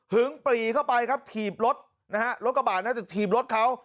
ปรีเข้าไปครับถีบรถนะฮะรถกระบาดน่าจะถีบรถเขา